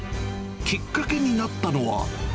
きっかけになったのは。